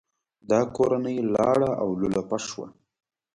دا کورنۍ لاړه او لولپه شوه.